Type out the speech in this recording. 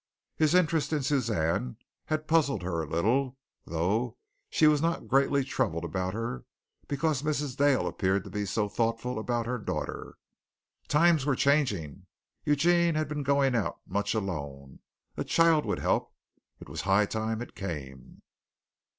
His interest in Suzanne had puzzled her a little, though she was not greatly troubled about her because Mrs. Dale appeared to be so thoughtful about her daughter. Times were changing. Eugene had been going out much alone. A child would help. It was high time it came.